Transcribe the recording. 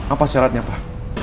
apa syaratnya pak